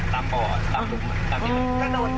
กระโดดตามบ่อตามลูกตามที่ต้อง